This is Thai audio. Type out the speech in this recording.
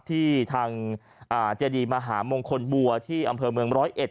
ที่ทางเจดีมหามงคลบัวที่อำเภอเมืองร้อยเอ็ด